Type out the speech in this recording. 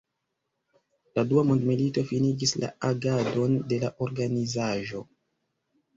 La Dua Mondmilito finigis la agadon de la organizaĵo.